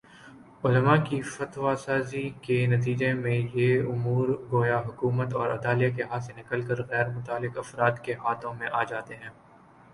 علما کی فتویٰ سازی کے نتیجے میںیہ امور گویا حکومت اورعدلیہ کے ہاتھ سے نکل کر غیر متعلق افراد کے ہاتھوں میں آجاتے ہیں